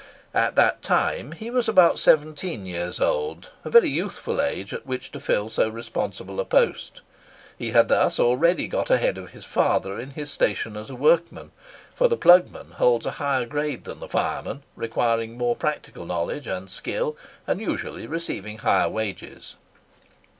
At that time he was about seventeen years old—a very youthful age at which to fill so responsible a post. He had thus already got ahead of his father in his station as a workman; for the plugman holds a higher grade than the fireman, requiring more practical knowledge and skill, and usually receiving higher wages.